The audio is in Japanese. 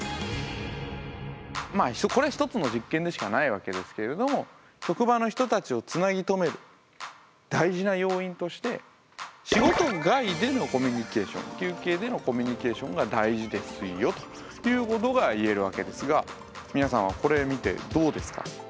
これは一つの実験でしかないわけですけれども職場の人たちをつなぎとめる大事な要因として休憩でのコミュニケーションが大事ですよっていうことが言えるわけですが皆さんはこれ見てどうですか？